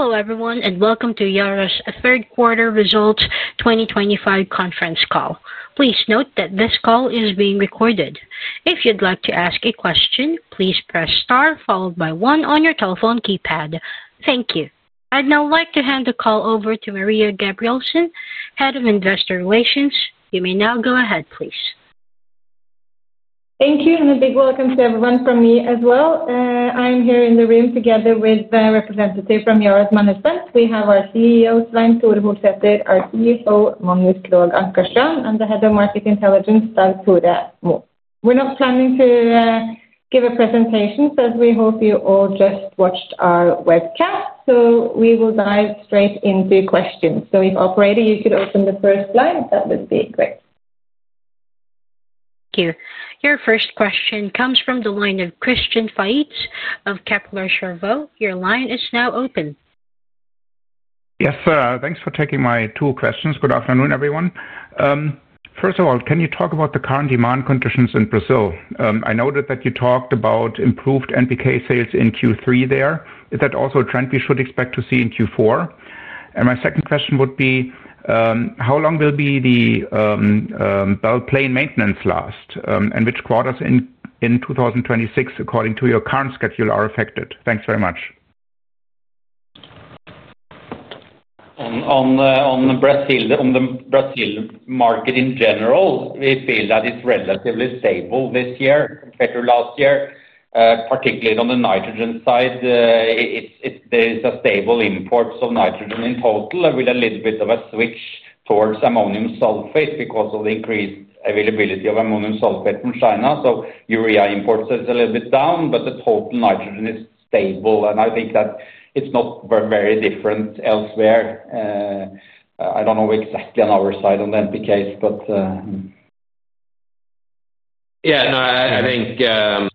Hello everyone, and welcome to Yara International's third quarter results 2025 conference call. Please note that this call is being recorded. If you'd like to ask a question, please press star followed by one on your telephone keypad. Thank you. I'd now like to hand the call over to Maria Gabrielsen, Head of Investor Relations. You may now go ahead, please. Thank you, and a big welcome to everyone from me as well. I'm here in the room together with the representative from Yara Management. We have our CEO, Svein Tore Holsether, our CFO, Magnus Krogh Ankarstrand, and the Head of Market Intelligence, Dag Tore Mo. We're not planning to give a presentation, as we hope you all just watched our webcast, so we will dive straight into questions. If operator, you could open the first slide, that would be great. Thank you. Your first question comes from the line of Christian Faitz of Kepler Cheuvreux. Your line is now open. Yes, thanks for taking my two questions. Good afternoon, everyone. First of all, can you talk about the current demand conditions in Brazil? I noted that you talked about improved NPK sales in Q3 there. Is that also a trend we should expect to see in Q4? My second question would be, how long will the belt plane maintenance last, and which quarters in 2026, according to your current schedule, are affected? Thanks very much. On the Brazil market in general, we feel that it's relatively stable this year compared to last year, particularly on the nitrogen side. There are stable imports of nitrogen in total, with a little bit of a switch towards ammonium sulfate because of the increased availability of ammonium sulfate from China. Urea imports are a little bit down, but the total nitrogen is stable, and I think that it's not very different elsewhere. I don't know exactly on our side on the NPKs, but... Yeah,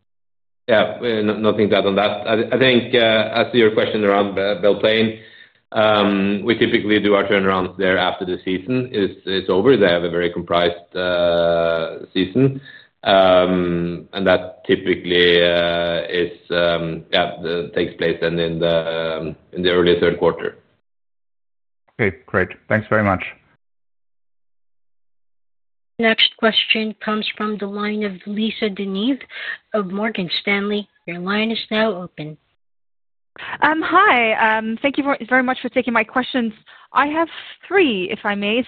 I think, as to your question around Belle Plaine, we typically do our turnaround there after the season is over. They have a very compromised season, and that typically takes place in the early third quarter. Okay, great. Thanks very much. Next question comes from the line of Lisa De Neve of Morgan Stanley. Your line is now open. Hi, thank you very much for taking my questions. I have three, if I may.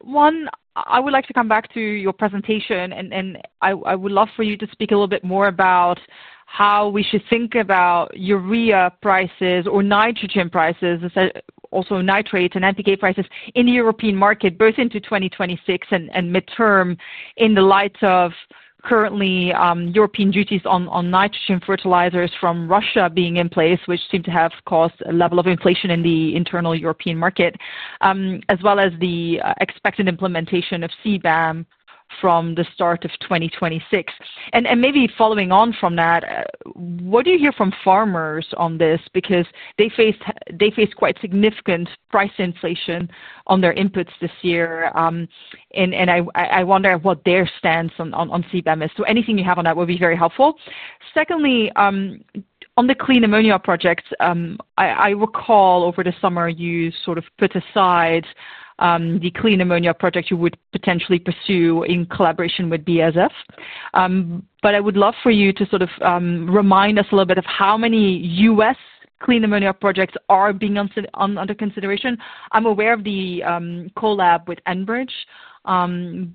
One, I would like to come back to your presentation, and I would love for you to speak a little bit more about how we should think about urea prices or nitrogen prices, as also nitrate and NPK prices in the European market, both into 2026 and midterm, in the light of currently European duties on nitrogen fertilizers from Russia being in place, which seem to have caused a level of inflation in the internal European market, as well as the expected implementation of CBAM from the start of 2026. Maybe following on from that, what do you hear from farmers on this? Because they faced quite significant price inflation on their inputs this year. I wonder what their stance on CBAM is. Anything you have on that would be very helpful. Secondly, on the clean ammonia projects, I recall over the summer you sort of put aside the clean ammonia projects you would potentially pursue in collaboration with BASF. I would love for you to remind us a little bit of how many U.S. clean ammonia projects are being under consideration. I'm aware of the collab with Enbridge,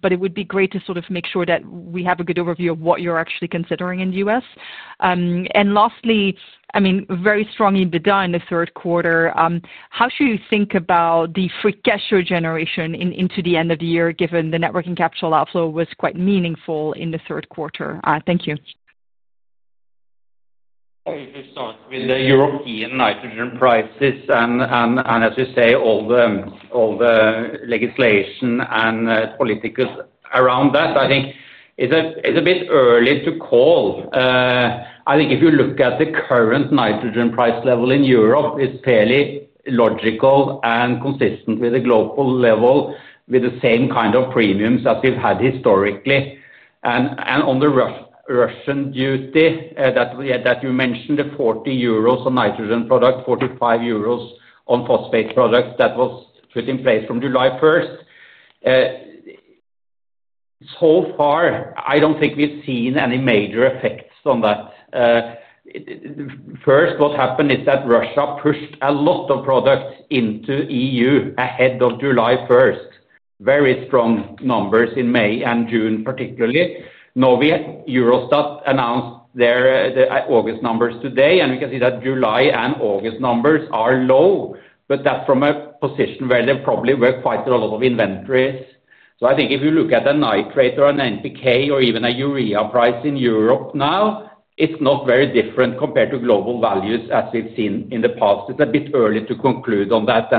but it would be great to make sure that we have a good overview of what you're actually considering in the U.S. Lastly, I mean, very strongly bid on the third quarter. How should you think about the free cash flow generation into the end of the year, given the networking capital outflow was quite meaningful in the third quarter? Thank you. Sorry. With the European nitrogen prices and, as you say, all the legislation and political around that, I think it's a bit early to call. I think if you look at the current nitrogen price level in Europe, it's fairly logical and consistent with the global level, with the same kind of premiums as we've had historically. On the Russian duty that you mentioned, the 40 euros on nitrogen product, 45 euros on phosphate product, that was put in place from July 1st. So far, I don't think we've seen any major effects on that. First, what happened is that Russia pushed a lot of products into the EU ahead of July 1st. Very strong numbers in May and June, particularly. Now, Eurostat announced their August numbers today, and we can see that July and August numbers are low, but that's from a position where there probably were quite a lot of inventories. I think if you look at a nitrate or an NPK or even a urea price in Europe now, it's not very different compared to global values as we've seen in the past. It's a bit early to conclude on that.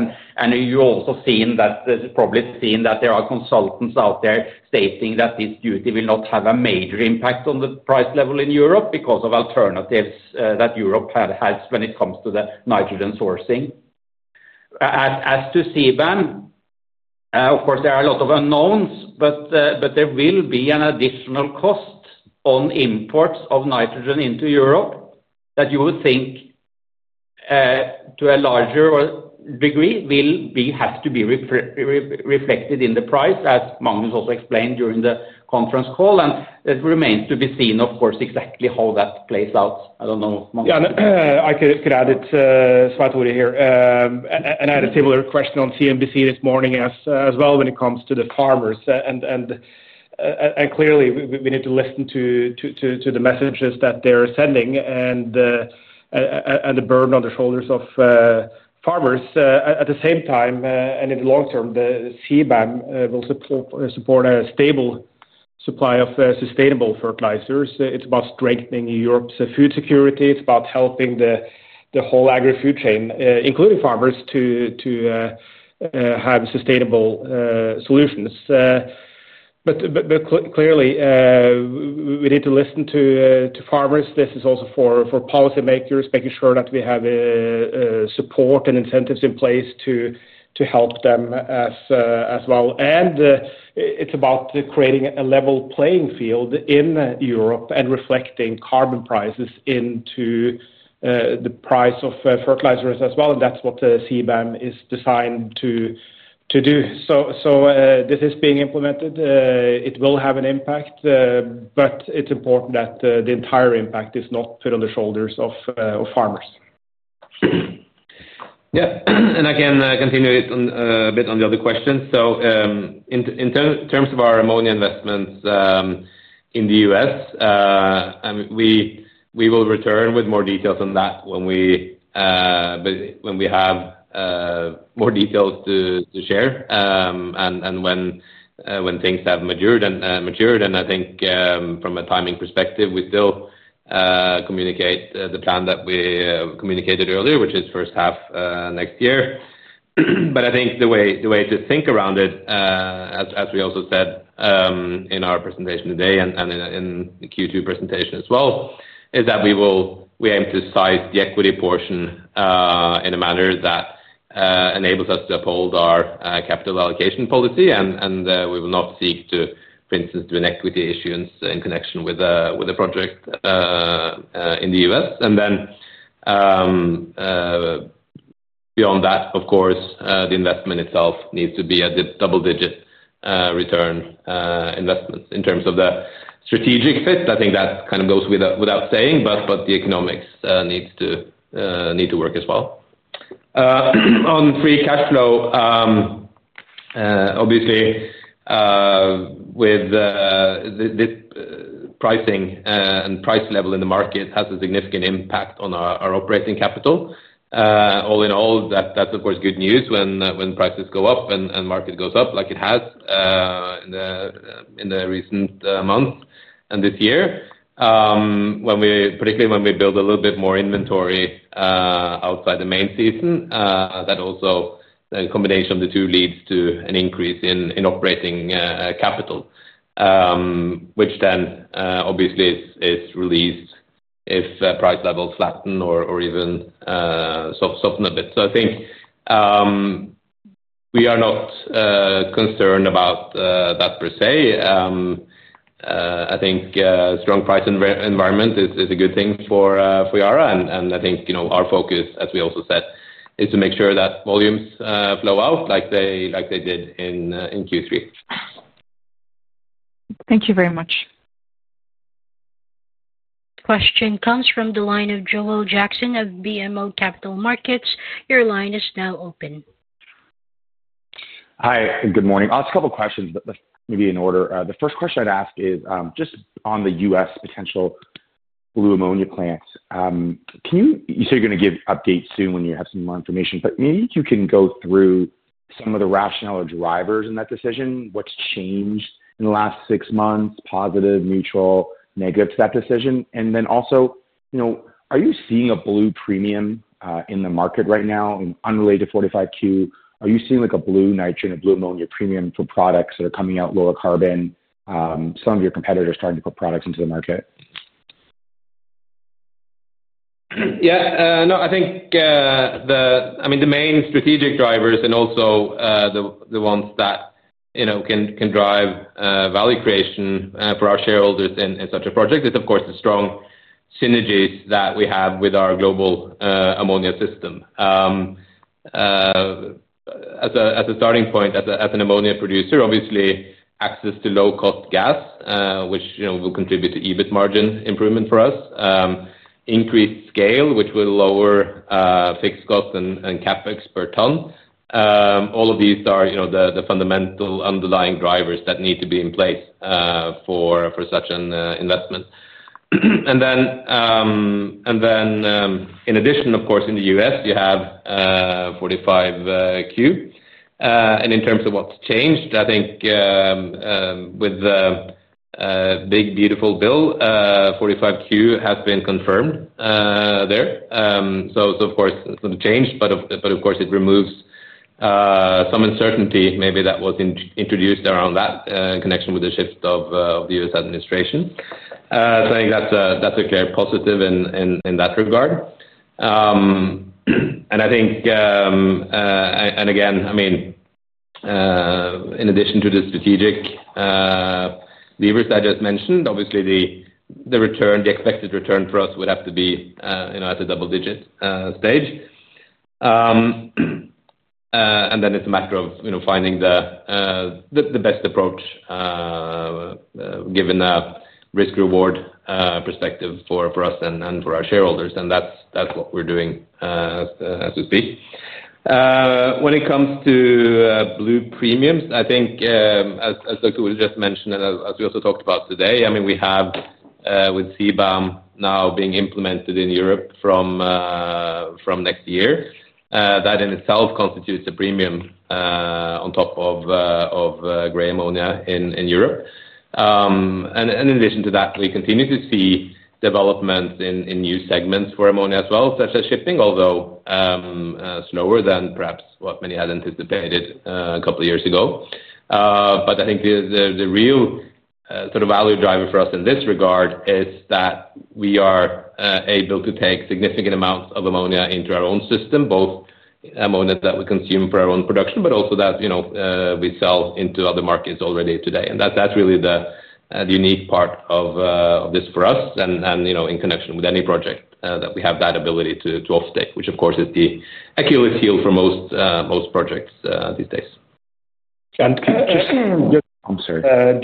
You've also seen that there are consultants out there stating that this duty will not have a major impact on the price level in Europe because of alternatives that Europe has when it comes to the nitrogen sourcing. As to CBAM, of course, there are a lot of unknowns, but there will be an additional cost on imports of nitrogen into Europe that you would think, to a larger degree, will have to be reflected in the price, as Magnus also explained during the conference call. It remains to be seen, of course, exactly how that plays out. I don't know, Magnus. Yeah, I could add it, Svein Tore here, and had a similar question on CNBC this morning as well when it comes to the farmers. Clearly, we need to listen to the messages that they're sending and the burden on the shoulders of farmers. At the same time, in the long term, the CBAM will support a stable supply of sustainable fertilizers. It's about strengthening Europe's food security. It's about helping the whole agri-food chain, including farmers, to have sustainable solutions. Clearly, we need to listen to farmers. This is also for policymakers, making sure that we have support and incentives in place to help them as well. It's about creating a level playing field in Europe and reflecting carbon prices into the price of fertilizers as well. That's what CBAM is designed to do. This is being implemented. It will have an impact, but it's important that the entire impact is not put on the shoulders of farmers. Yeah, I can continue a bit on the other questions. In terms of our ammonia investments in the U.S., we will return with more details on that when we have more details to share and when things have matured. I think from a timing perspective, we still communicate the plan that we communicated earlier, which is first half next year. I think the way to think around it, as we also said in our presentation today and in the Q2 presentation as well, is that we will aim to cite the equity portion in a manner that enables us to uphold our capital allocation policy. We will not seek to, for instance, do an equity issuance in connection with a project in the U.S. Beyond that, of course, the investment itself needs to be a double-digit return investment in terms of the strategic fit. I think that kind of goes without saying, but the economics need to work as well. On free cash flow, obviously, with this pricing and price level in the market, it has a significant impact on our operating capital. All in all, that's good news when prices go up and the market goes up like it has in the recent months and this year. Particularly when we build a little bit more inventory outside the main season, the combination of the two leads to an increase in operating capital, which then obviously is released if price levels flatten or even soften a bit. I think we are not concerned about that per se. A strong price environment is a good thing for Yara. Our focus, as we also said, is to make sure that volumes flow out like they did in Q3. Thank you very much. Question comes from the line of Joel Jackson of BMO Capital Markets. Your line is now open. Hi, good morning. I'll ask a couple of questions, but maybe in order. The first question I'd ask is just on the U.S. potential blue ammonia plant. You say you're going to give updates soon when you have some more information, but maybe you can go through some of the rationale or drivers in that decision, what's changed in the last six months, positive, neutral, negative to that decision. Also, you know, are you seeing a blue premium in the market right now? Unrelated to 45Q, are you seeing like a blue nitrogen, a blue ammonia premium for products that are coming out lower carbon? Some of your competitors are starting to put products into the market. Yeah. No, I think the main strategic drivers and also the ones that can drive value creation for our shareholders in such a project is, of course, the strong synergies that we have with our global ammonia system. As a starting point, as an ammonia producer, obviously, access to low-cost gas, which will contribute to EBIT margin improvement for us. Increased scale, which will lower fixed costs and CapEx per ton. All of these are the fundamental underlying drivers that need to be in place for such an investment. In addition, of course, in the U.S., you have 45Q. In terms of what's changed, I think with The Big Beautiful Bill, 45Q has been confirmed there. Of course, it's not changed, but it removes some uncertainty maybe that was introduced around that connection with the shift of the U.S. administration. I think that's a clear positive in that regard. Again, in addition to the strategic levers that I just mentioned, obviously, the return, the expected return for us would have to be at a double-digit stage. It's a matter of finding the best approach, given a risk-reward perspective for us and for our shareholders. That's what we're doing, as to speak. When it comes to blue premiums, I think, as Dr. Will just mentioned, and as we also talked about today, we have, with CBAM now being implemented in Europe from next year, that in itself constitutes a premium on top of gray ammonia in Europe. In addition to that, we continue to see developments in new segments for ammonia as well, such as shipping, although slower than perhaps what many had anticipated a couple of years ago. I think the real sort of value driver for us in this regard is that we are able to take significant amounts of ammonia into our own system, both ammonia that we consume for our own production, but also that we sell into other markets already today. That's really the unique part of this for us. In connection with any project, we have that ability to offtake, which, of course, is the Achilles heel for most projects these days. Just to add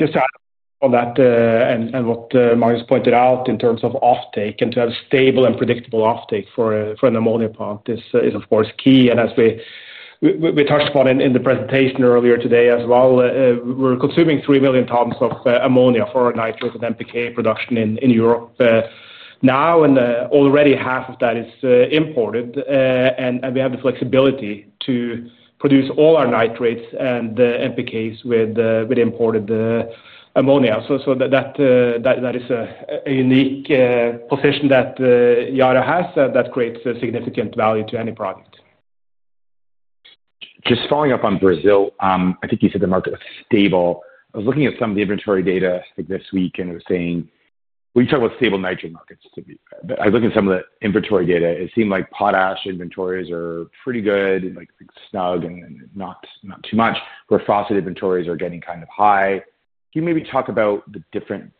on that, and what Magnus pointed out in terms of offtake, to have a stable and predictable offtake for an ammonia plant is, of course, key. As we touched upon in the presentation earlier today as well, we're consuming 3 million tons of ammonia for our nitrate and NPK production in Europe now, and already half of that is imported. We have the flexibility to produce all our nitrates and NPKs with imported ammonia. That is a unique position that Yara has that creates significant value to any product. Just following up on Brazil, I think you said the market was stable. I was looking at some of the inventory data this week and it was saying, when you talk about stable nitrogen markets, I was looking at some of the inventory data. It seemed like potash inventories are pretty good, like snug and not too much, where phosphate inventories are getting kind of high. Can you maybe talk about the different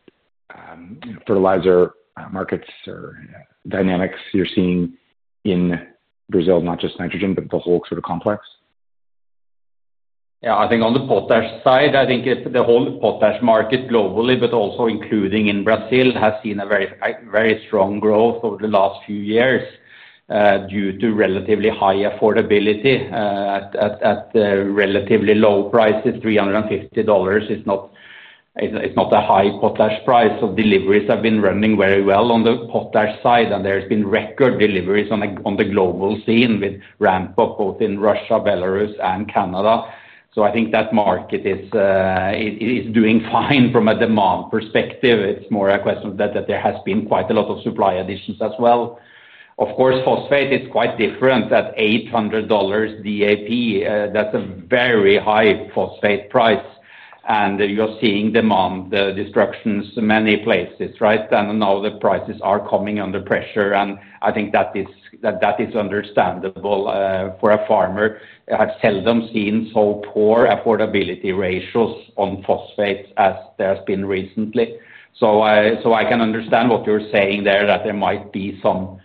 fertilizer markets or dynamics you're seeing in Brazil, not just nitrogen, but the whole sort of complex? Yeah, I think on the potash side, I think it's the whole potash market globally, but also including in Brazil, has seen a very, very strong growth over the last few years, due to relatively high affordability at the relatively low prices. $350 is not a high potash price. So deliveries have been running very well on the potash side, and there's been record deliveries on the global scene with ramp-up both in Russia, Belarus, and Canada. I think that market is doing fine from a demand perspective. It's more a question that there has been quite a lot of supply additions as well. Of course, phosphate is quite different at $800 DAP. That's a very high phosphate price, and you're seeing demand destructions in many places, right? Now the prices are coming under pressure. I think that is understandable for a farmer. I've seldom seen so poor affordability ratios on phosphate as there has been recently. I can understand what you're saying there, that there might be some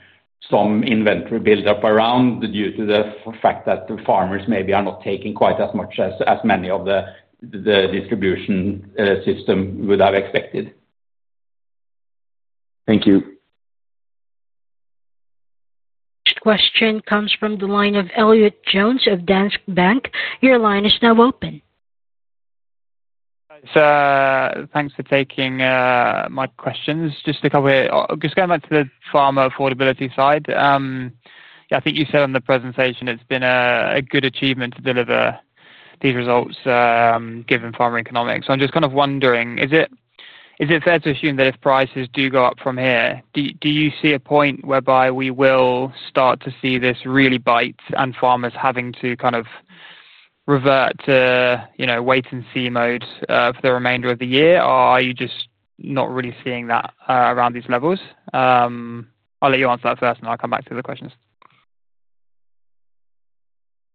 inventory buildup around due to the fact that the farmers maybe are not taking quite as much as many of the distribution system would have expected. Thank you. Question comes from the line of Elliott Jones of Danske Bank. Your line is now open. Thanks for taking my questions. Just going back to the farmer affordability side, I think you said on the presentation it's been a good achievement to deliver these results, given farmer economics. I'm just kind of wondering, is it fair to assume that if prices do go up from here, do you see a point whereby we will start to see this really bite and farmers having to revert to, you know, wait-and-see mode for the remainder of the year? Are you just not really seeing that around these levels? I'll let you answer that first, and then I'll come back to the questions.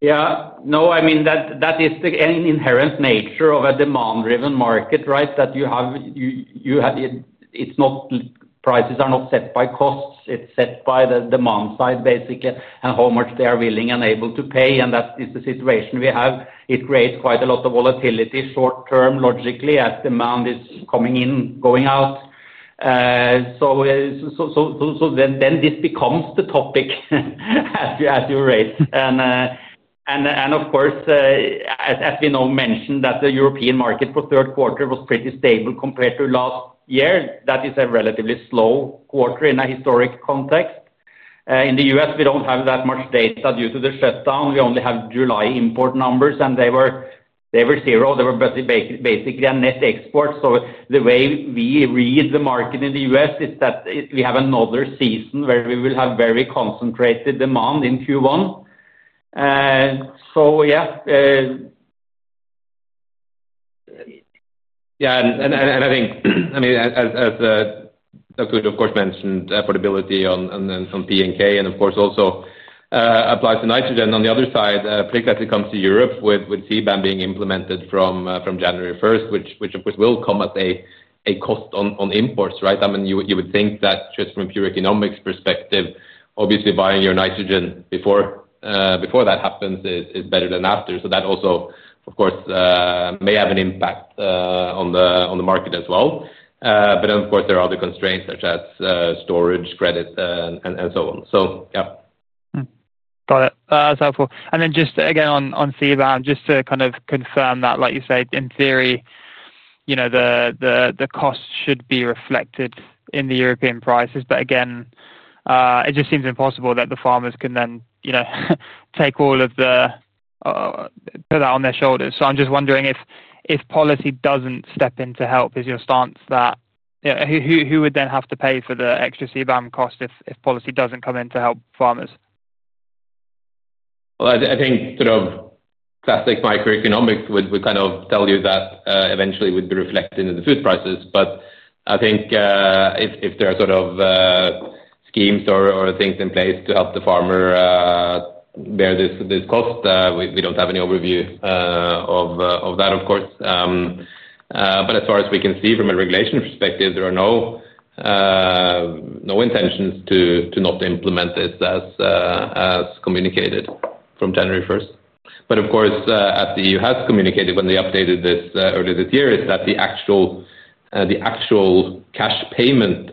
Yeah. No, I mean, that is the inherent nature of a demand-driven market, right? You have, it's not prices are not set by costs. It's set by the demand side, basically, and how much they are willing and able to pay. That is the situation we have. It creates quite a lot of volatility short-term, logically, as demand is coming in, going out. This becomes the topic at your rate. Of course, as we now mentioned, the European market for third quarter was pretty stable compared to last year. That is a relatively slow quarter in a historic context. In the U.S., we don't have that much data due to the shutdown. We only have July import numbers, and they were zero. They were basically a net export. The way we read the market in the U.S. is that we have another season where we will have very concentrated demand in Q1. Yeah. Yeah. I think, as Dag Tore Mo, of course, mentioned, affordability on some P&K and, of course, also applies to nitrogen. On the other side, particularly as it comes to Europe with CBAM being implemented from January 1st, which, of course, will come as a cost on imports, right? You would think that just from a pure economics perspective, obviously, buying your nitrogen before that happens is better than after. That also, of course, may have an impact on the market as well. There are other constraints such as storage, credit, and so on. Yeah. Got it. That's helpful. Just again on CBAM, just to kind of confirm that, like you said, in theory, the costs should be reflected in the European prices. It just seems impossible that the farmers can then take all of the put that on their shoulders. I'm just wondering if policy doesn't step in to help, is your stance that, yeah, who would then have to pay for the extra CBAM cost if policy doesn't come in to help farmers? I think sort of classic microeconomics would kind of tell you that eventually it would be reflected in the food prices. I think if there are sort of schemes or things in place to help the farmer bear this cost, we don't have any overview of that, of course. As far as we can see from a regulation perspective, there are no intentions to not implement this as communicated from January 1st. As the EU has communicated when they updated this earlier this year, the actual cash payment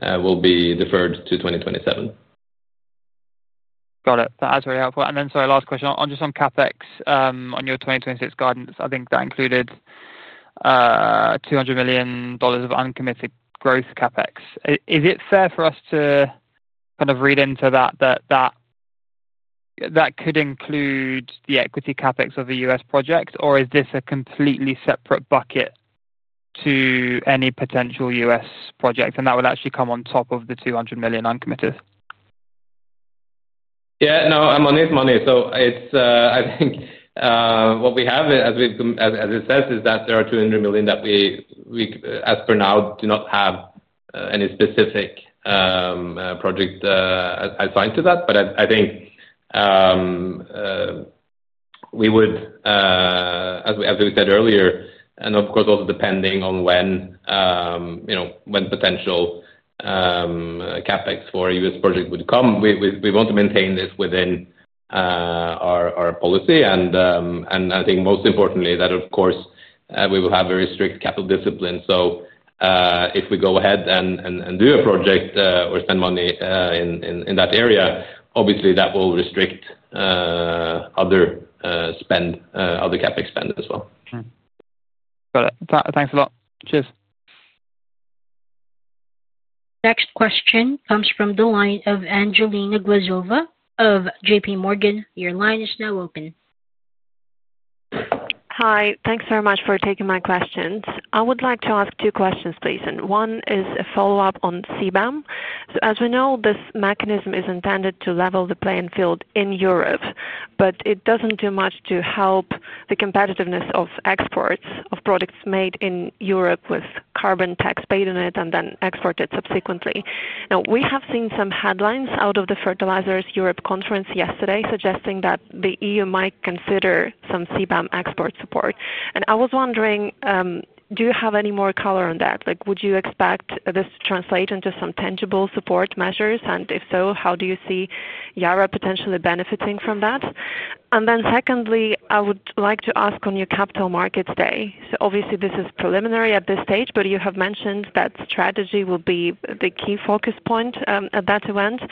will be deferred to 2027. Got it. That's very helpful. Sorry, last question. I'm just on CapEx on your 2026 guidance. I think that included $200 million of uncommitted growth CapEx. Is it fair for us to kind of read into that that could include the equity CapEx of the U.S. project, or is this a completely separate bucket to any potential U.S. project? That would actually come on top of the $200 million uncommitted? Yeah. No, I'm on it. So I think what we have, as it says, is that there are $200 million that we, as per now, do not have any specific project assigned to that. I think we would, as we said earlier, and of course, also depending on when you know when potential CapEx for a U.S. project would come, we want to maintain this within our policy. I think most importantly that, of course, we will have very strict capital discipline. If we go ahead and do a project or spend money in that area, obviously, that will restrict other spend, other CapEx spend as well. Got it. Thanks a lot. Cheers. Next question comes from the line of Angelina Glazova of JPMorgan. Your line is now open. Hi. Thanks very much for taking my questions. I would like to ask two questions, please. One is a follow-up on CBAM. As we know, this mechanism is intended to level the playing field in Europe, but it doesn't do much to help the competitiveness of exports of products made in Europe with carbon tax paid on it and then exported subsequently. We have seen some headlines out of the Fertilizers Europe Conference yesterday suggesting that the EU might consider some CBAM export support. I was wondering, do you have any more color on that? Would you expect this to translate into some tangible support measures? If so, how do you see Yara potentially benefiting from that? Secondly, I would like to ask on your Capital Markets Day. Obviously, this is preliminary at this stage, but you have mentioned that strategy will be the key focus point at that event.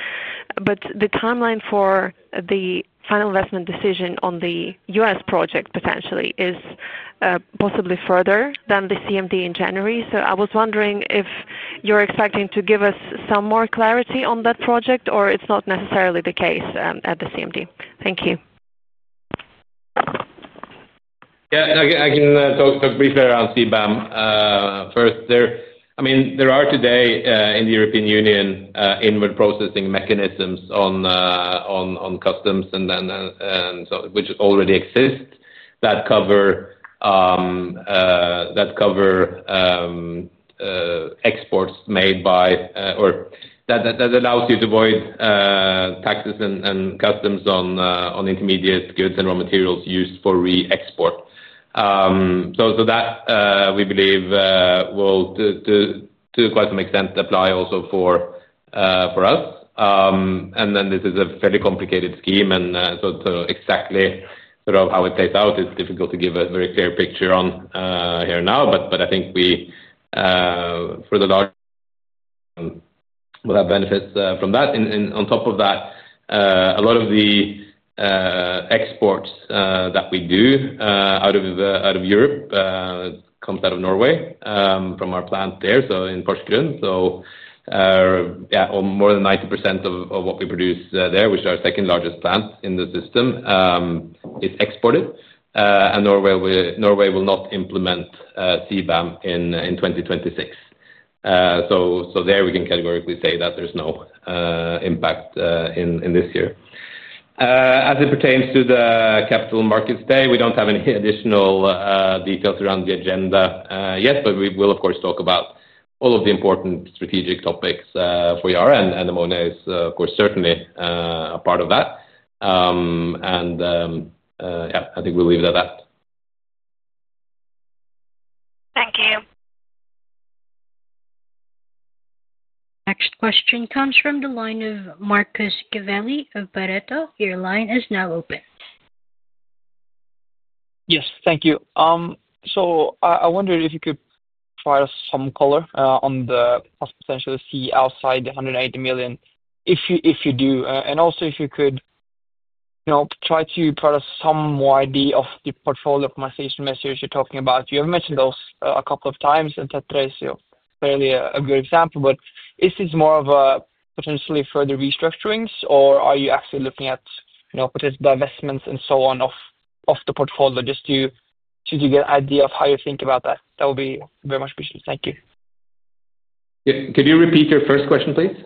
The timeline for the final investment decision on the U.S. project potentially is possibly further than the CMD in January. I was wondering if you're expecting to give us some more clarity on that project or if it's not necessarily the case at the CMD. Thank you. Yeah, I can talk briefly around CBAM. First, there are today in the European Union inward processing mechanisms on customs, which already exist that cover exports made by or that allow you to avoid taxes and customs on intermediate goods and raw materials used for re-export. We believe that will to quite some extent apply also for us. This is a fairly complicated scheme, so exactly how it plays out is difficult to give a very clear picture on here now. I think we, for the large, will have benefits from that. On top of that, a lot of the exports that we do out of Europe come out of Norway from our plant there, in Porsgrunn. More than 90% of what we produce there, which is our second largest plant in the system, is exported. Norway will not implement CBAM in 2026. We can categorically say that there's no impact in this year. As it pertains to the Capital Markets Day, we don't have any additional details around the agenda yet, but we will, of course, talk about all of the important strategic topics for Yara. Ammonia is, of course, certainly a part of that. I think we'll leave it at that. Thank you. Next question comes from the line of Marcus Gavelli of Pareto. Your line is now open. Yes, thank you. I wondered if you could provide us some color on the possible potential to see outside the $180 million. If you do, and also if you could try to provide us some idea of the portfolio optimization messages you're talking about. You have mentioned those a couple of times, and Tetra is clearly a good example. Is this more of a potentially further restructurings, or are you actually looking at potential divestments and so on of the portfolio? Just to get an idea of how you think about that. That would be very much appreciated. Thank you. Yeah, could you repeat your first question, please?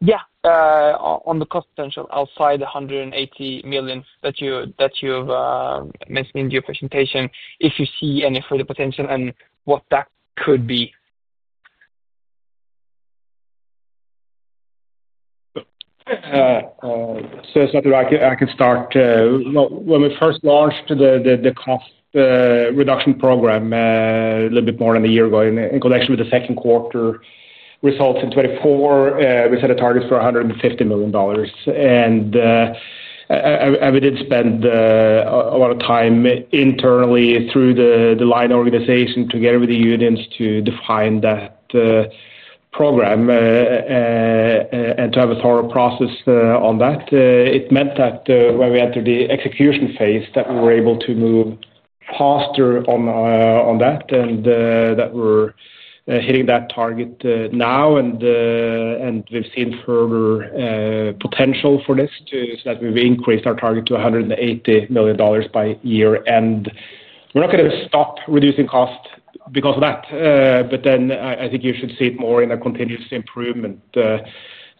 Yeah. On the cost potential outside the $180 million that you've mentioned in your presentation, if you see any further potential and what that could be. When we first launched the cost reduction program a little bit more than a year ago in connection with the second quarter results in 2024, we set a target for $150 million. We did spend a lot of time internally through the line organization together with the unions to define that program and to have a thorough process on that. It meant that when we entered the execution phase, we were able to move faster on that and that we're hitting that target now. We've seen further potential for this so that we've increased our target to $180 million by year. We're not going to stop reducing costs because of that. I think you should see it more in a continuous improvement as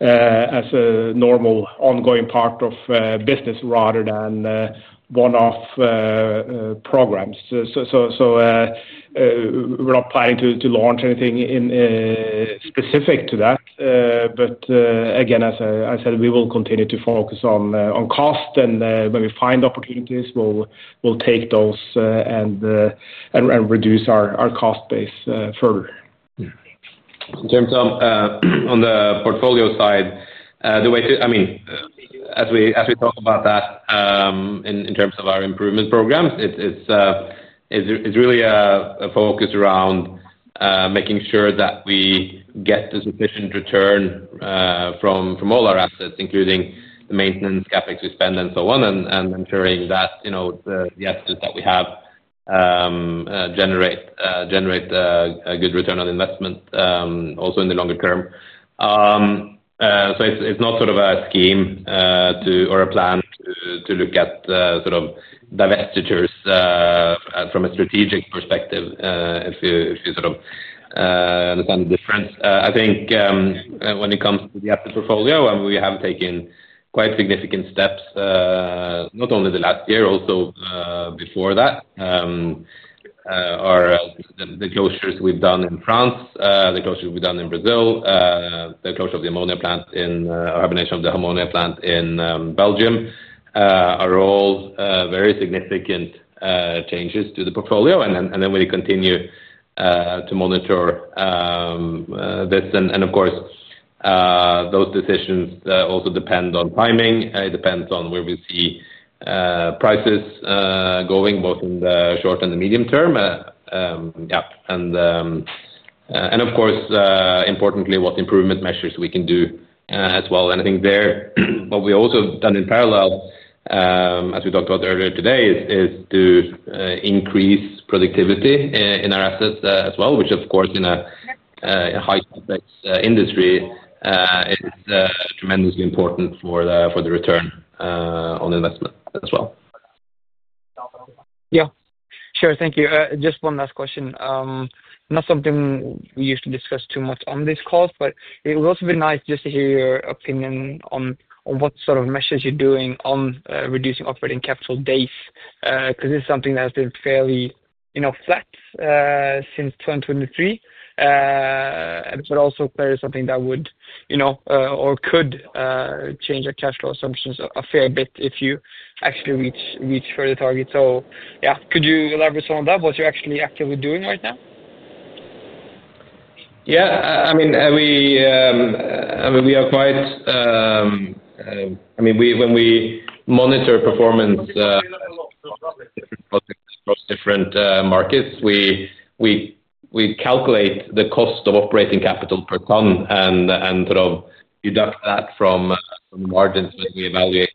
a normal ongoing part of business rather than one-off programs. We're not planning to launch anything specific to that. Again, as I said, we will continue to focus on cost. When we find opportunities, we'll take those and reduce our cost base further. In terms of on the portfolio side, the way to, I mean, as we talk about that in terms of our improvement programs, it's really a focus around making sure that we get the sufficient return from all our assets, including the maintenance CapEx we spend, and so on, and ensuring that, you know, the assets that we have generate a good return on investment also in the longer term. It's not sort of a scheme or a plan to look at sort of divestitures from a strategic perspective, if you sort of understand the difference. I think when it comes to the asset portfolio, we have taken quite significant steps, not only the last year, also before that. The closures we've done in France, the closure we've done in Brazil, the closure of the ammonia plant in, or abolition of the ammonia plant in Belgium, are all very significant changes to the portfolio. We continue to monitor this. Of course, those decisions also depend on timing. It depends on where we see prices going, both in the short and the medium term. Of course, importantly, what improvement measures we can do as well. I think there, what we also have done in parallel, as we talked about earlier today, is to increase productivity in our assets as well, which, of course, in a high-context industry, is tremendously important for the return on investment as well. Yeah. Sure. Thank you. Just one last question. Not something we usually discuss too much on this call, but it would also be nice just to hear your opinion on what sort of measures you're doing on reducing operating capital days because this is something that has been fairly flat since 2023, but also clearly something that could change our cash flow assumptions a fair bit if you actually reach further targets. Could you elaborate on that? What you're actually actively doing right now? Yeah. I mean, we are quite, I mean, when we monitor performance of different projects across different markets, we calculate the cost of operating capital per ton and sort of deduct that from margins when we evaluate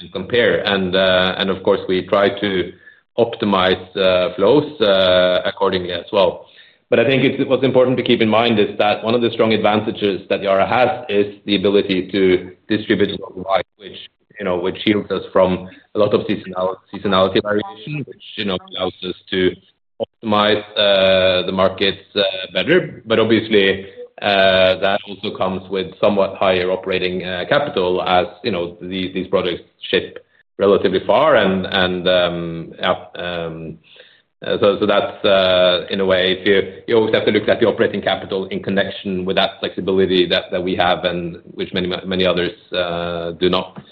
and compare. Of course, we try to optimize flows accordingly as well. I think what's important to keep in mind is that one of the strong advantages that Yara International has is the ability to distribute worldwide, which, you know, shields us from a lot of seasonality variation, which, you know, allows us to optimize the markets better. Obviously, that also comes with somewhat higher operating capital as, you know, these products ship relatively far. Yeah, so that's in a way, you always have to look at the operating capital in connection with that flexibility that we have and which many others do not.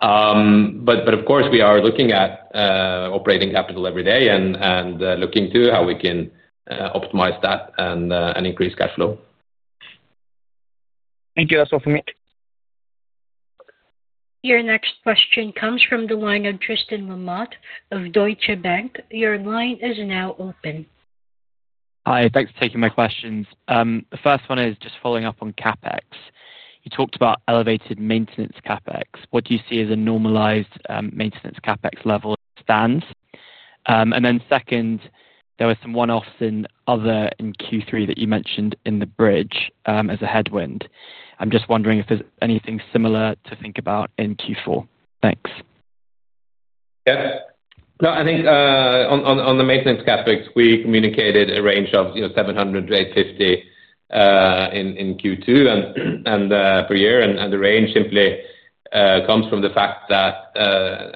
Of course, we are looking at operating capital every day and looking to how we can optimize that and increase cash flow. Thank you. That's all for me. Your next question comes from the line of Tristan Lamotte of Deutsche Bank. Your line is now open. Hi. Thanks for taking my questions. The first one is just following up on CapEx. You talked about elevated maintenance CapEx. What do you see as a normalized maintenance CapEx level stands? There were some one-offs in Q3 that you mentioned in the bridge as a headwind. I'm just wondering if there's anything similar to think about in Q4. Thanks. Yeah. No, I think on the maintenance capex, we communicated a range of, you know, $700-$850 million in Q2 and per year. The range simply comes from the fact that,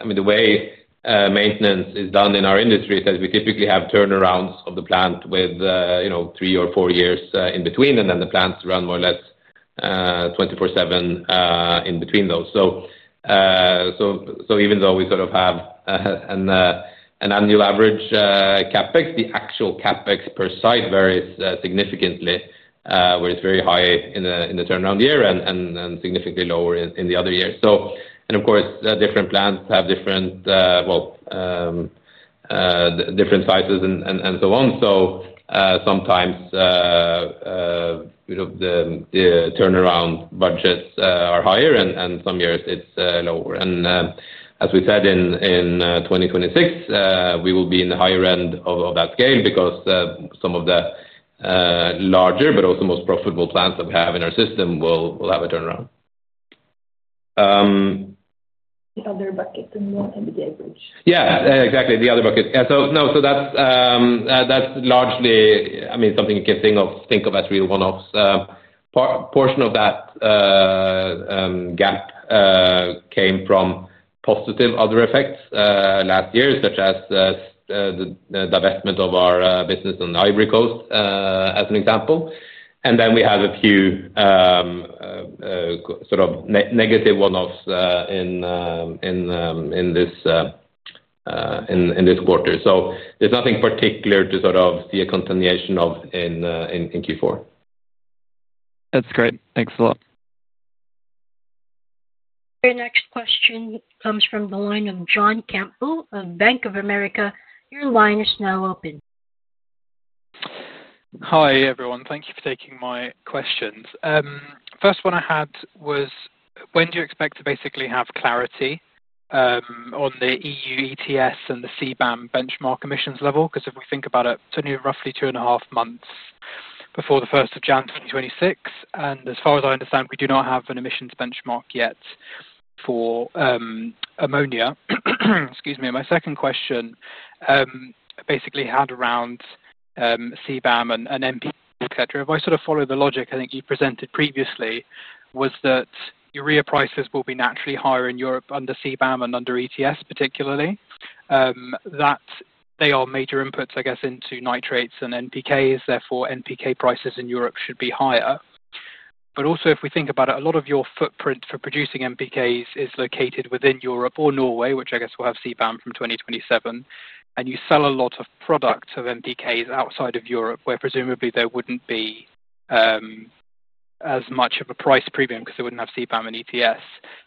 I mean, the way maintenance is done in our industry is that we typically have turnarounds of the plant with, you know, three or four years in between, and then the plants run more or less 24/7 in between those. Even though we sort of have an annual average capex, the actual capex per site varies significantly, where it's very high in the turnaround year and significantly lower in the other year. Of course, different plants have different, well, different sizes and so on. Sometimes, you know, the turnaround budgets are higher, and some years it's lower. As we said in 2026, we will be in the higher end of that scale because some of the larger, but also most profitable plants that we have in our system will have a turnaround. The other buckets are not in the bridge. Yeah, exactly. The other buckets. That's largely, I mean, something you can think of as real one-offs. A portion of that gap came from positive other effects last year, such as the divestment of our business on the Ivory Coast as an example. Then we have a few sort of negative one-offs in this quarter. There's nothing particular to sort of see a continuation of in Q4. That's great. Thanks a lot. Your next question comes from the line of John Campbell of Bank of America. Your line is now open. Hi, everyone. Thank you for taking my questions. First one I had was when do you expect to basically have clarity on the EU ETS and the CBAM benchmark emissions level? Because if we think about it, it's only roughly 2.5 months before the 1st of January 2026. As far as I understand, we do not have an emissions benchmark yet for ammonia. Excuse me. My second question basically had around CBAM and NPK, etc. If I sort of follow the logic I think you presented previously, was that urea prices will be naturally higher in Europe under CBAM and under ETS particularly. They are major inputs, I guess, into nitrates and NPKs. Therefore, NPK prices in Europe should be higher. If we think about it, a lot of your footprint for producing NPKs is located within Europe or Norway, which I guess will have CBAM from 2027. You sell a lot of product of NPKs outside of Europe where presumably there wouldn't be as much of a price premium because they wouldn't have CBAM and ETS.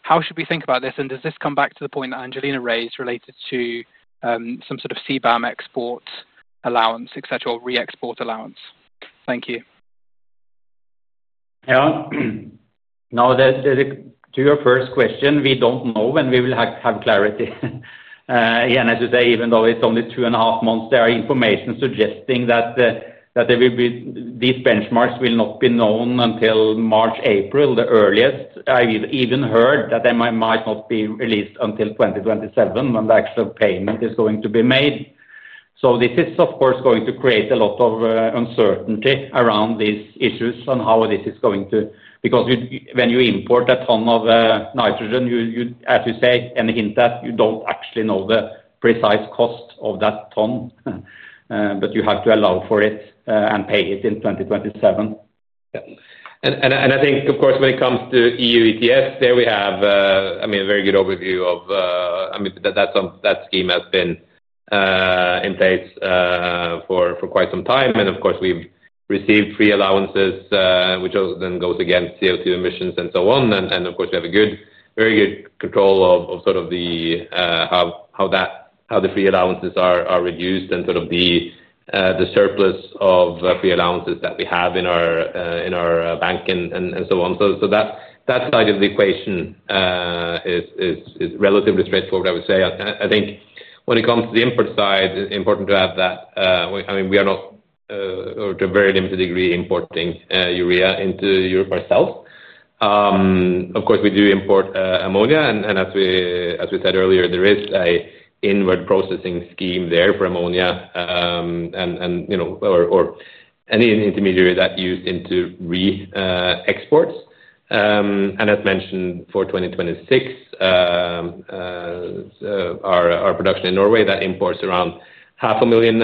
How should we think about this? Does this come back to the point that Angelina raised related to some sort of CBAM export allowance, etc., or re-export allowance? Thank you. Yeah. Now, to your first question, we don't know when we will have clarity. Again, as you say, even though it's only 2.5 months, there is information suggesting that these benchmarks will not be known until March or April at the earliest. I've even heard that they might not be released until 2027 when the actual payment is going to be made. This is, of course, going to create a lot of uncertainty around these issues on how this is going to work because when you import a ton of nitrogen, you, as you say and hint at, you don't actually know the precise cost of that ton, but you have to allow for it and pay it in 2027. Yeah. I think, of course, when it comes to EU ETS, we have a very good overview of that scheme, which has been in place for quite some time. We've received free allowances, which also then goes against CO2 emissions and so on. We have very good control of how the free allowances are reduced and the surplus of free allowances that we have in our bank and so on. That side of the equation is relatively straightforward, I would say. I think when it comes to the import side, it's important to add that we are not, or to a very limited degree, importing urea into Europe ourselves. We do import ammonia. As we said earlier, there is an inward processing scheme there for ammonia or any intermediary that's used into re-exports. As mentioned, for 2026, our production in Norway that imports around half a million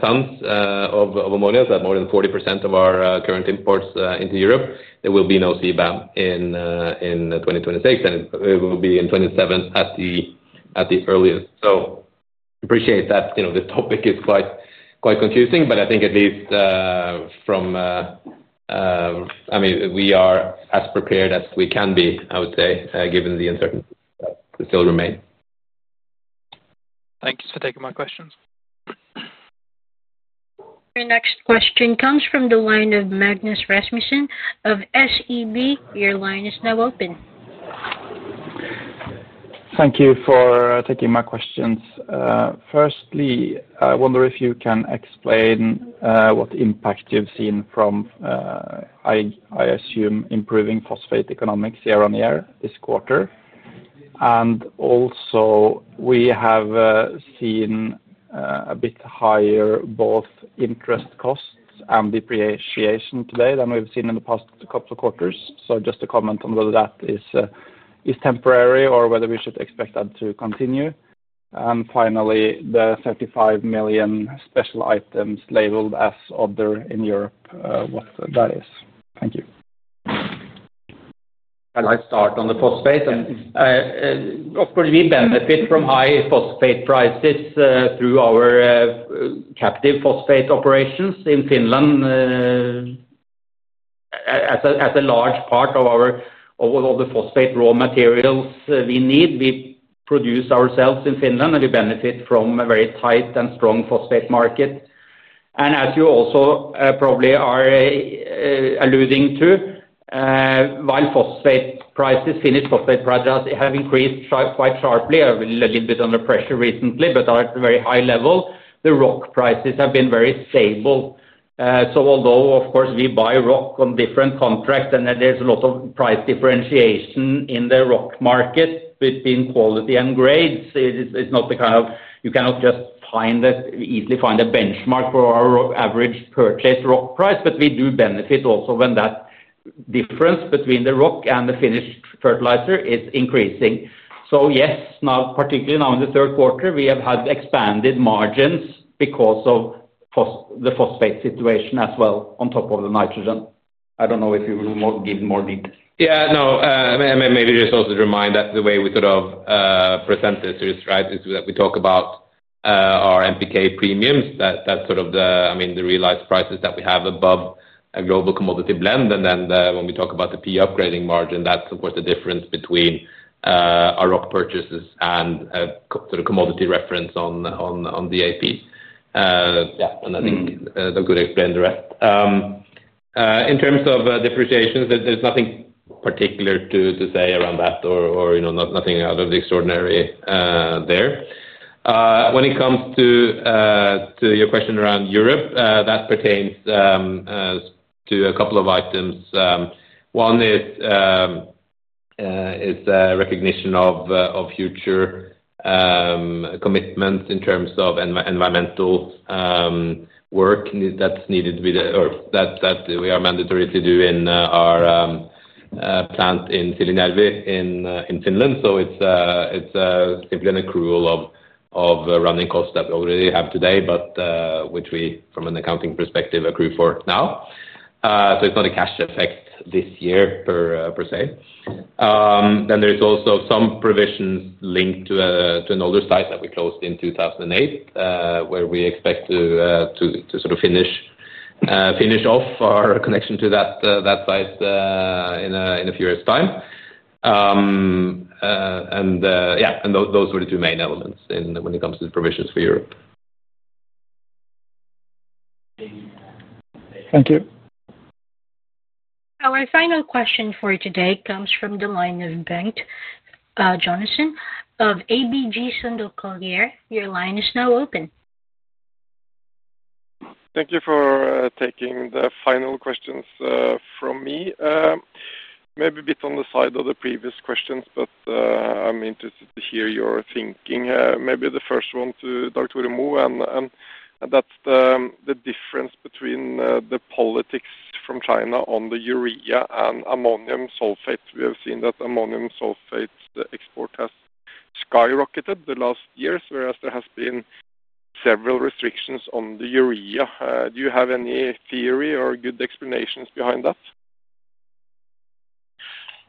tons of ammonia, so more than 40% of our current imports into Europe, there will be no CBAM in 2026. It will be in 2027 at the earliest. I appreciate that this topic is quite confusing, but I think at least we are as prepared as we can be, given the uncertainty that still remains. Thank you for taking my questions. Your next question comes from the line of Magnus Rasmussen of SEB. Your line is now open. Thank you for taking my questions. Firstly, I wonder if you can explain what impact you've seen from, I assume, improving phosphate economics year on year this quarter. Also, we have seen a bit higher both interest costs and depreciation today than we've seen in the past couple of quarters. Just a comment on whether that is temporary or whether we should expect that to continue. Finally, the $35 million special items labeled as other in Europe, what that is. Thank you. Can I start on the phosphate? Yes. Of course, we benefit from high phosphate prices through our captive phosphate operations in Finland as a large part of all the phosphate raw materials we need. We produce ourselves in Finland, and we benefit from a very tight and strong phosphate market. As you also probably are alluding to, while phosphate prices, Finnish phosphate prices have increased quite sharply, a little bit under pressure recently, but at a very high level, the rock prices have been very stable. Although, of course, we buy rock on different contracts, and there's a lot of price differentiation in the rock market between quality and grades, it's not the kind of, you cannot just easily find a benchmark for our average purchased rock price, but we do benefit also when that difference between the rock and the finished fertilizer is increasing. Yes, now particularly now in the third quarter, we have had expanded margins because of the phosphate situation as well on top of the nitrogen. I don't know if you want to give more details. Yeah, no. I mean, maybe just also to remind that the way we sort of present this is, right, is that we talk about our NPK premiums, that that's sort of the, I mean, the realized prices that we have above a global commodity blend. When we talk about the P upgrading margin, that's, of course, the difference between our rock purchases and sort of commodity reference on DAPs. I think that could explain the rest. In terms of depreciations, there's nothing particular to say around that or, you know, nothing out of the extraordinary there. When it comes to your question around Europe, that pertains to a couple of items. One is recognition of future commitments in terms of environmental work that's needed with the earth that we are mandatory to do in our plant in Silje Nelvi in Finland. It's simply an accrual of running costs that we already have today, but which we, from an accounting perspective, accrue for now. It's not a cash effect this year per se. There's also some provisions linked to an older site that we closed in 2008 where we expect to sort of finish off our connection to that site in a few years' time. Those were the two main elements when it comes to the provisions for Europe. Thank you. Our final question for today comes from the line of Bengt Jonassen of ABG Sundal Collier. Your line is now open. Thank you for taking the final questions from me. Maybe a bit on the side of the previous questions, but I'm interested to hear your thinking. Maybe the first one to Dag Tore Mo, and that's the difference between the politics from China on the urea and ammonium sulfate. We have seen that ammonium sulfate export has skyrocketed the last years, whereas there have been several restrictions on the urea. Do you have any theory or good explanations behind that?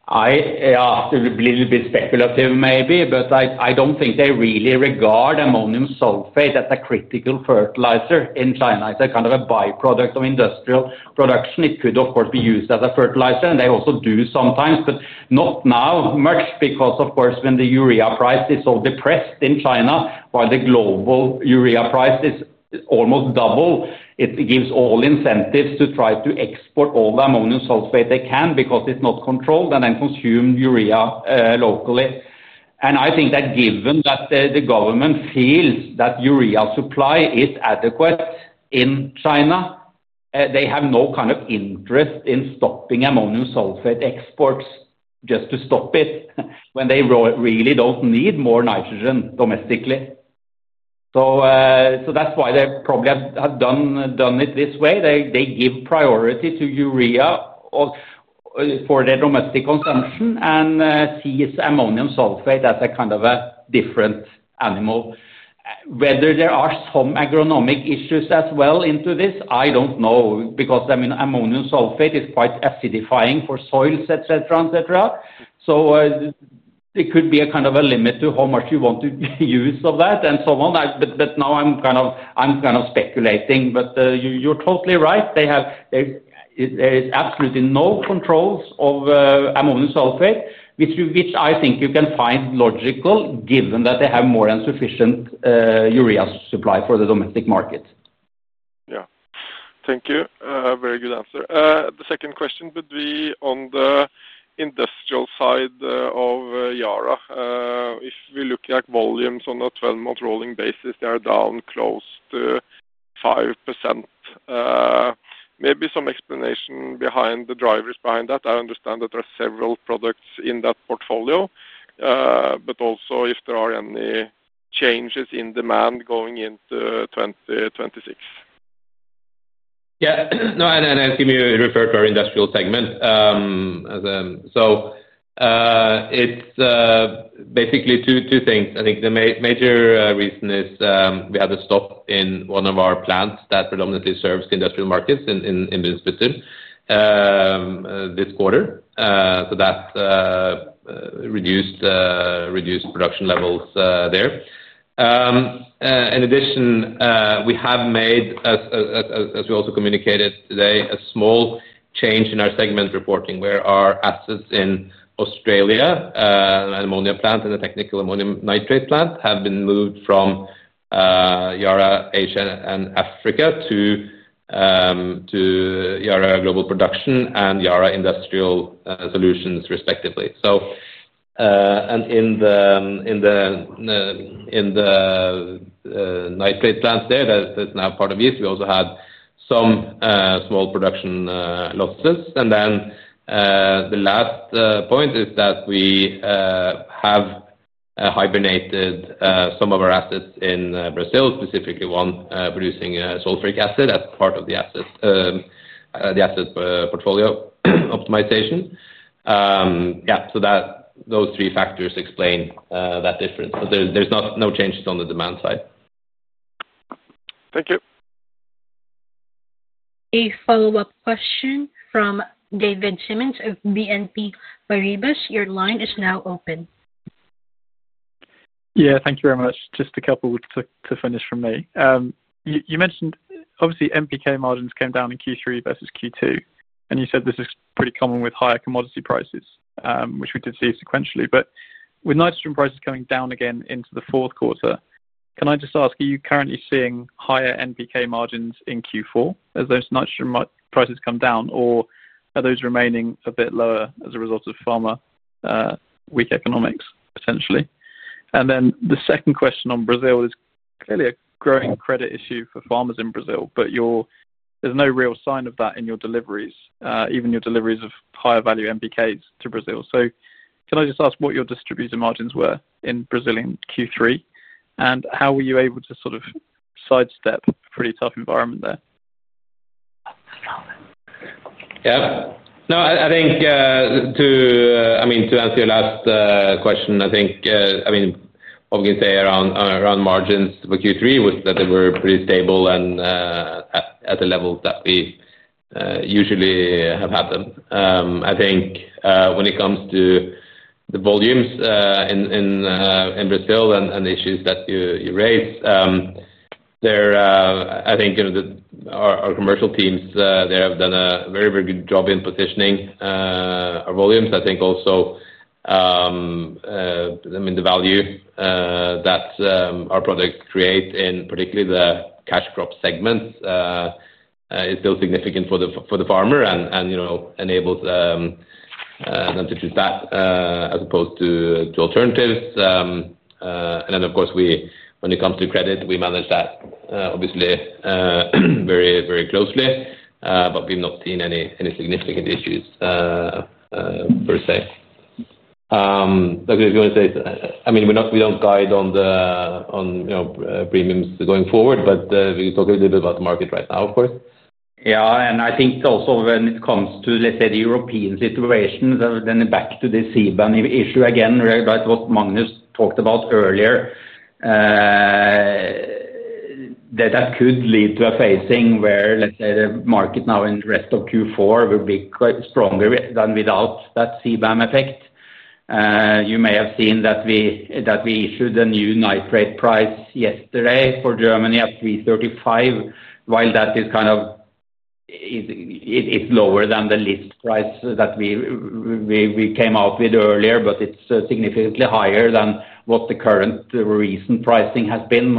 I'm a little bit speculative, maybe, but I don't think they really regard ammonium sulfate as a critical fertilizer in China. It's a kind of a byproduct of industrial production. It could, of course, be used as a fertilizer, and they also do sometimes, but not now much because, of course, when the urea price is so depressed in China, while the global urea price is almost double, it gives all incentives to try to export all the ammonium sulfate they can because it's not controlled and then consume urea locally. I think that given that the government feels that urea supply is adequate in China, they have no kind of interest in stopping ammonium sulfate exports just to stop it when they really don't need more nitrogen domestically. That's why they probably have done it this way. They give priority to urea for their domestic consumption and see ammonium sulfate as a kind of a different animal. Whether there are some agronomic issues as well into this, I don't know because, I mean, ammonium sulfate is quite acidifying for soils, etc., etc. It could be a kind of a limit to how much you want to use of that and so on. Now I'm kind of speculating, but you're totally right. There is absolutely no controls of ammonium sulfate, which I think you can find logical given that they have more than sufficient urea supply for the domestic market. Yeah. Thank you. Very good answer. The second question would be on the industrial side of Yara. If we look at volumes on a 12-month rolling basis, they are down close to 5%. Maybe some explanation behind the drivers behind that. I understand that there are several products in that portfolio, but also if there are any changes in demand going into 2026. Yeah. No, I think you referred to our industrial segment. It's basically two things. I think the major reason is we had a stop in one of our plants that predominantly serves industrial markets in Winston-Salem this quarter. That reduced production levels there. In addition, we have made, as we also communicated today, a small change in our segment reporting where our assets in Australia, an ammonia plant and a technical ammonium nitrate plant, have been moved from Yara Asia and Africa to Yara Global Production and Yara Industrial Solutions respectively. In the nitrate plants there, that's now part of this, we also had some small production losses. The last point is that we have hibernated some of our assets in Brazil, specifically one producing sulfuric acid as part of the asset portfolio optimization. Yeah. Those three factors explain that difference. There's no changes on the demand side. Thank you. A follow-up question from David Simmons of BNP Paribas. Your line is now open. Yeah. Thank you very much. Just a couple to finish from me. You mentioned, obviously, NPK margins came down in Q3 versus Q2. You said this is pretty common with higher commodity prices, which we did see sequentially. With nitrogen prices coming down again into the fourth quarter, can I just ask, are you currently seeing higher NPK margins in Q4 as those nitrogen prices come down, or are those remaining a bit lower as a result of farmer weak economics, potentially? The second question on Brazil is clearly a growing credit issue for farmers in Brazil, but there's no real sign of that in your deliveries, even your deliveries of higher-value NPKs to Brazil. Can I just ask what your distributor margins were in Brazil in Q3, and how were you able to sort of sidestep a pretty tough environment there? Yeah. No, I think to answer your last question, I think, obviously, around margins for Q3 was that they were pretty stable and at the level that we usually have had them. I think when it comes to the volumes in Brazil and the issues that you raised, I think our commercial teams there have done a very, very good job in positioning our volumes. I think also the value that our product creates in particularly the cash crop segment is still significant for the farmer and enables them to do that as opposed to alternatives. Of course, when it comes to credit, we manage that, obviously, very, very closely, but we've not seen any significant issues per se. We don't guide on the premiums going forward, but we can talk a little bit about the market right now, of course. Yeah. I think also when it comes to, let's say, the European situation, back to the CBAM issue again, right, what Magnus talked about earlier, that could lead to a phasing where, let's say, the market now in the rest of Q4 will be quite stronger than without that CBAM effect. You may have seen that we issued a new nitrate price yesterday for Germany at 335, while that is kind of lower than the list price that we came out with earlier, but it's significantly higher than what the current recent pricing has been,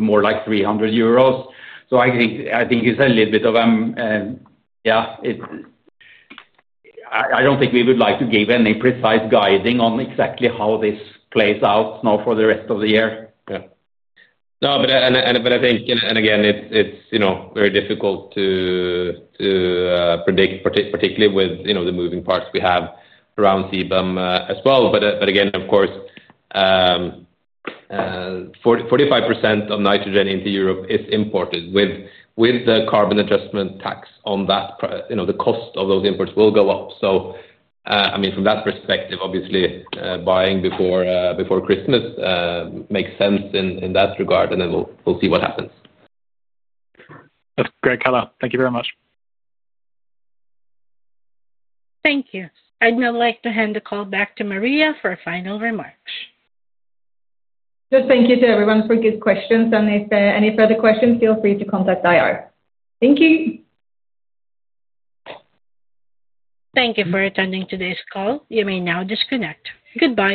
more like 300 euros. I think it's a little bit of, yeah, I don't think we would like to give any precise guiding on exactly how this plays out now for the rest of the year. Yeah. No, but I think, and again, it's very difficult to predict, particularly with the moving parts we have around CBAM as well. Of course, 45% of nitrogen into Europe is imported. With the carbon adjustment tax on that, you know, the cost of those imports will go up. I mean, from that perspective, obviously, buying before Christmas makes sense in that regard, and then we'll see what happens. That's great color. Thank you very much. Thank you. I'd now like to hand the call back to Maria for a final remark. Thank you to everyone for good questions. If there are any further questions, feel free to contact Yara. Thank you. Thank you for attending today's call. You may now disconnect. Goodbye.